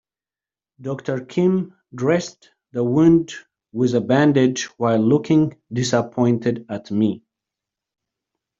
Doctor Kim dressed the wound with a bandage while looking disappointed at me.